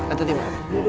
atau dia mau